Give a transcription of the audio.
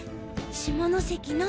下関の。